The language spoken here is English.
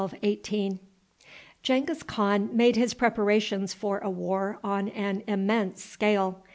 Genghis Khan. Genghis Khan made his preparations for a war on an immense scale.